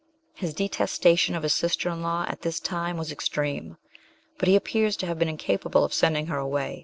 His detestation of his sister in law at this time was extreme, but he appears to have been incapable of sending her away.